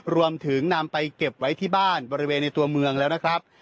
รวมถึงนำไปเก็บไว้ที่บ้านบริเวณในตัวเมืองแล้วนะครับ